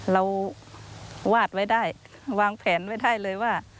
วาดไว้ได้วางแผนไว้ได้เลยว่า